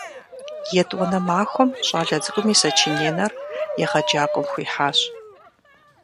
Етӏуанэ махуэм щӏалэ цӏыкӏум и сочиненэр егъэджакӏуэм хуихьащ.